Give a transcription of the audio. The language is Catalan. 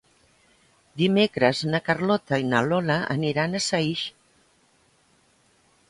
Dimecres na Carlota i na Lola aniran a Saix.